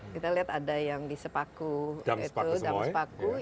kita lihat ada yang di sepaku itu dam sepaku semoy